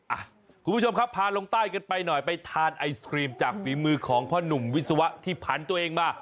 อ่ะคุณผู้ชมครับพาลงใต้กันไปหน่อยไปทานไอศครีมจากฝีมือของพ่อหนุ่มวิศวะที่ผันตัวเองมา